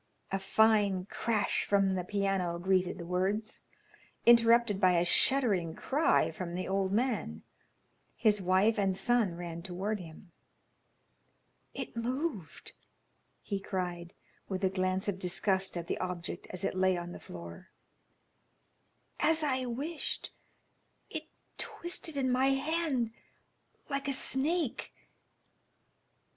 A fine crash from the piano greeted the words, interrupted by a shuddering cry from the old man. His wife and son ran toward him. "It moved," he cried, with a glance of disgust at the object as it lay on the floor. "As I wished, it twisted in my hand like a snake."